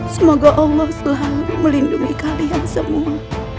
semoga allah selalu melindungi kalian semua